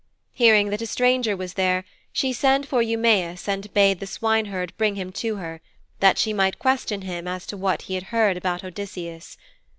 Hearing that a stranger was there, she sent for Eumæus and bade the swineherd bring him to her, that she might question him as to what he had heard about Odysseus.